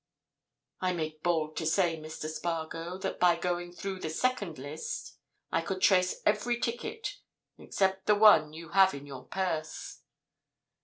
I make bold to say, Mr. Spargo, that by going through the second list, I could trace every ticket—except the one you have in your purse."